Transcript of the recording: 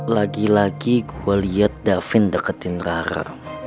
lagi lagi gue liat davin deketin rara